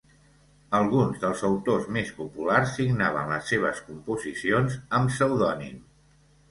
Alguns dels autors més populars signaven les seves composicions amb pseudònim.